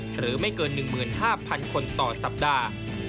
หรือไม่เกิน๑๕๐๐๐คนต่อสัปดาห์